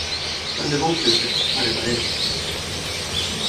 Tant de bo ho fessis, pare paret.